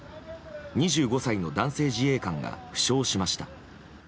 ２５歳の男性自衛官が負傷しました。